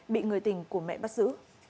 bị người tình của mẹ bắt giữ